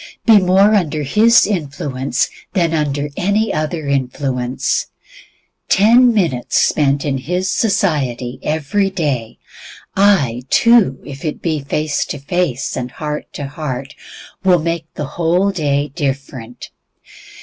Be more under His influence than under any other influence. Ten minutes spent in His society every day, ay, two minutes if it be face to face, and heart to heart, will make the whole day different.